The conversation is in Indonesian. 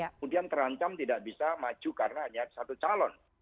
kemudian terancam tidak bisa maju karena hanya satu calon